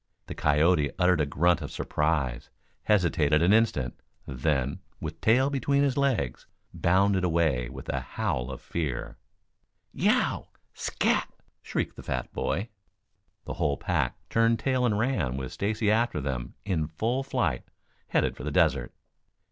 The coyote uttered a grunt of surprise, hesitated an instant, then, with tail between his legs, bounded away with a howl of fear. "Yeow! Scat!" shrieked the fat boy. The whole pack turned tail and ran with Stacy after them in full flight, headed for the desert.